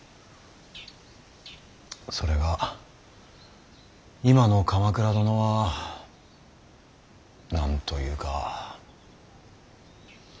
それが今の鎌倉殿は何と言うか。